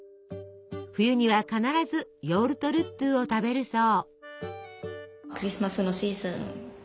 冬には必ずヨウルトルットゥを食べるそう。